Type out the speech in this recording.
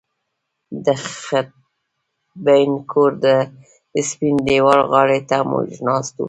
د خټین کور د سپین دېوال غاړې ته موږ ناست وو